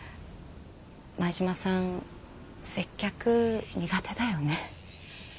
前島さん接客苦手だよね。